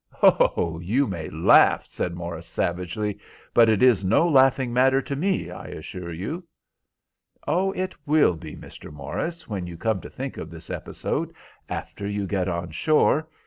"Oh, you may laugh," said Morris, savagely; "but it is no laughing matter to me, I assure you." "Oh, it will be, Mr. Morris, when you come to think of this episode after you get on shore.